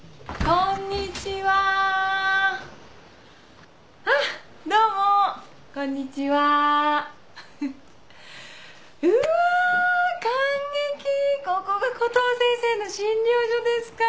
ここがコトー先生の診療所ですか。